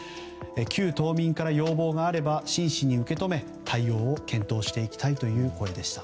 旧島民から要望があれば真摯に受け止め対応を検討していきたいという声でした。